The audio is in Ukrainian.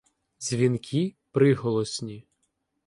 Дзвінкі приголосні